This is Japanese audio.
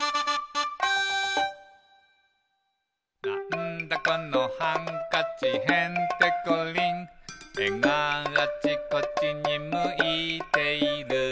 「なんだこのハンカチへんてこりん」「えがあちこちにむいている」